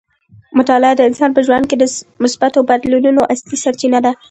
مطالعه د انسان په ژوند کې د مثبتو بدلونونو اصلي سرچینه ده.